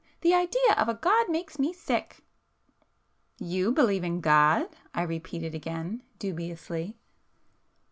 The idea of a God makes me sick!" "You believe in God!" I repeated again dubiously.